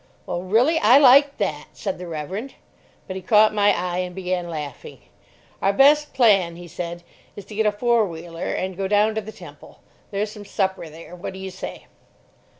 "Well, really, I like that!" said the Reverend; but he caught my eye and began laughing. "Our best plan," he said, "is to get a four wheeler and go down to the Temple. There's some supper there. What do you say?"